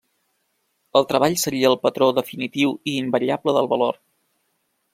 El treball seria el patró definitiu i invariable del valor.